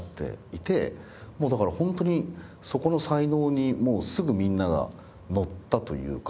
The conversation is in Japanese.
だから本当にそこの才能にすぐみんながのったというか。